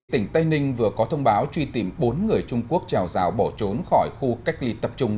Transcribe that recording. tỉnh tây ninh vừa có thông báo truy tìm bốn người trung quốc trèo rào bỏ trốn khỏi khu cách ly tập trung